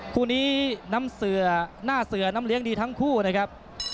คู่นี้หน้าเสือน้ำเลี้ยงดีทั้งคู่นะครับ